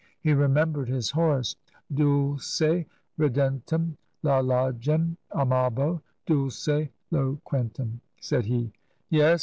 He remembered his Horace. <'' Dulce ridentem Lalagen amabo Dolce loqaentem/ " said he. "Yes!